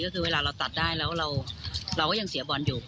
ก็คือเวลาเราตัดได้แล้วเราก็ยังเสียบอลอยู่